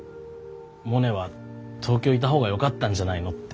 モネは東京いた方がよかったんじゃないのって。